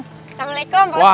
assalamualaikum pak ustadz pak rt